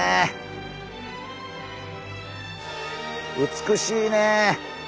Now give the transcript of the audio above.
美しいね。